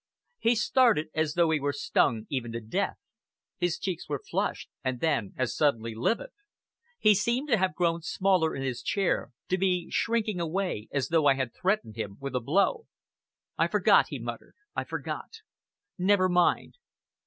He started as though he were stung even to death. His cheeks were flushed, and then as suddenly livid. He seemed to have grown smaller in his chair, to be shrinking away as though I had threatened him with a blow. "I forgot," he muttered. "I forgot. Never mind.